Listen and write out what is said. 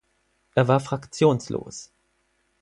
Er war fraktionslos.